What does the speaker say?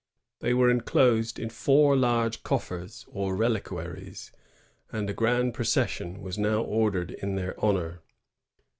They were enclosed in four large coffers or reliquaries, and a grand procession was now ordered in their honor.